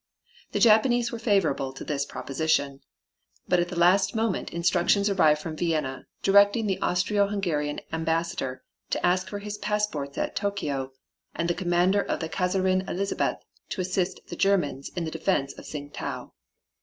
The Japanese were favorable to this proposition, but at the last moment instructions arrived from Vienna directing the Austro Hungarian Ambassador to ask for his passports at Tokio and the commander of the Kaiserin Elizabeth to assist the Germans in the defense of Tsing tau.